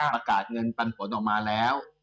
ประกาศเงินปันผลออกมาแล้ว